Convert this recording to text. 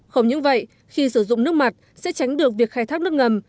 không những vậy khi sử dụng nước mặt sẽ tránh được việc khai thác nước ngầm